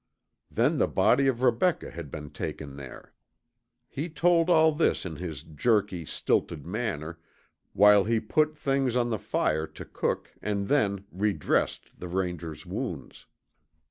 Then the body of Rebecca had been taken there. He told all this in his jerky, stilted manner while he put things on the fire to cook and then redressed the Ranger's wounds.